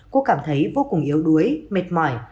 cô cảm thấy vô cùng yếu đuối mệt mỏi